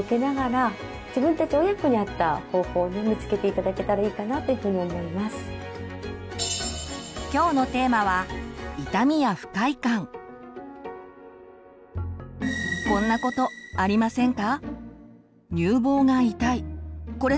大切なのは今日のテーマはこんなことありませんか？